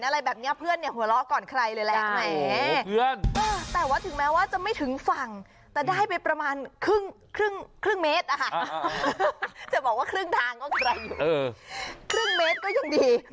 จะบอกว่าครึ่งทางก็ใครอยู่ครึ่งเมตรก็ยังดี